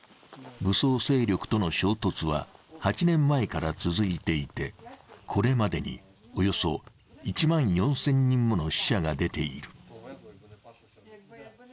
武装勢力との衝突は８年前から続いていてこれまでに、およそ１万４０００人もの死者が出ている。